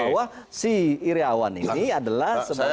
bahwa si iryawan ini adalah sebagai